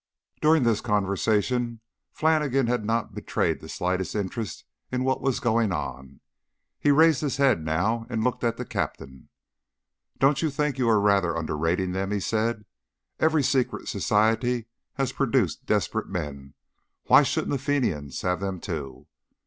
During this conversation Flannigan had not betrayed the slightest interest in what was going on. He raised his head now and looked at the Captain. "Don't you think you are rather underrating them?" he said. "Every secret society has produced desperate men why shouldn't the Fenians have them too?